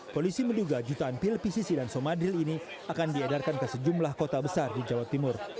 polisi menduga jutaan pil pcc dan somadril ini akan diedarkan ke sejumlah kota besar di jawa timur